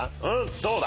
どうだ？